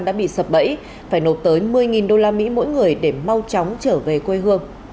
đã bị sập bẫy phải nộp tới một mươi usd mỗi người để mau chóng trở về quê hương